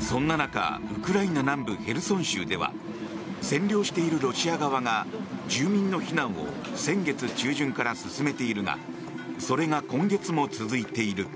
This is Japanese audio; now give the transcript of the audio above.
そんな中ウクライナ南部ヘルソン州では占領しているロシア側が住民の避難を先月中旬から続けているがそれが今月も続いている。